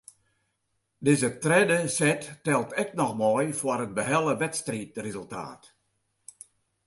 Dizze tredde set teld ek noch mei foar it behelle wedstriidresultaat.